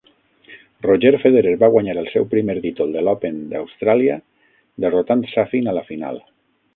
Roger Federer va guanyar el seu primer títol de l'Open d'Austràlia, derrotant Safin a la final.